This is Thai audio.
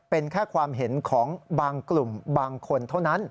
เป็นแค่ความเห็นของบางกลุ่มบางคนเท่านั้น